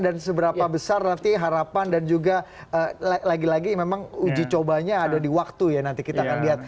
dan seberapa besar nanti harapan dan juga lagi lagi memang uji cobanya ada di waktu ya nanti kita akan lihat